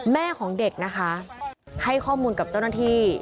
แม่ของเด็กนะคะให้ข้อมูลกับเจ้าหน้าที่